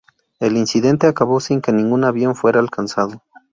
El incidente acabó sin que ningún avión fuera alcanzado.